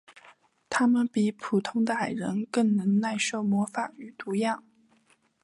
他们比普通的矮人更能耐受魔法与毒药。